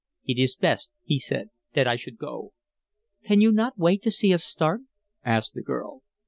"It is best," he said, "that I should go." "Can you not wait to see us start?" asked the girl.